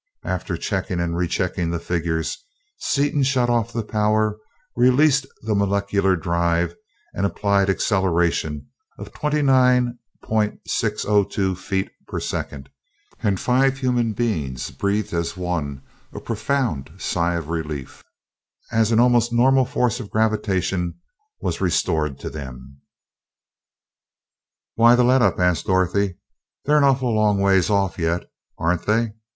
After checking and rechecking the figures, Seaton shut off the power, released the molecular drive, and applied acceleration of twenty nine point six oh two feet per second; and five human beings breathed as one a profound sigh of relief as an almost normal force of gravitation was restored to them. "Why the let up?" asked Dorothy. "They're an awful long ways off yet, aren't they?